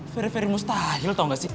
very very mustahil tau gak sih